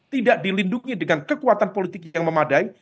tidak dilindungi dengan kekuatan politik yang memadai